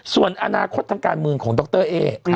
ส่วนอนาคตทางการเมืองของดรเอ๊